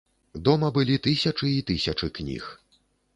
Дома былі тысячы і тысячы кніг.